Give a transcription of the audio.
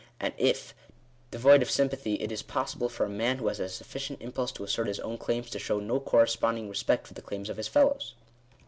And, if devoid of sympathy, it is possible for a man who has a sufficient impulse to assert his own claims, to show no corresponding respect for the claims of his fellows.